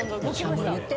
言って。